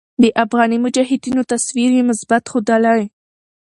د افغاني مجاهدينو تصوير ئې مثبت ښودلے